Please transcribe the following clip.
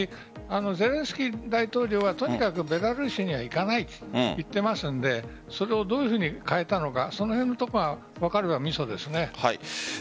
ゼレンスキー大統領はとにかくベラルーシには行かないと言っていますのでどういうふうに変えたのかその辺のところが分かればみそですね。